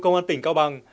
công an tỉnh cao bằng